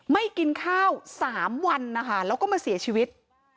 กินข้าว๓วันนะคะแล้วก็มาเสียชีวิต